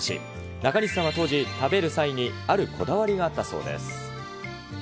中西さんは当時、食べる際にあるこだわりがあったそうです。